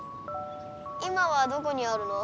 今はどこにあるの？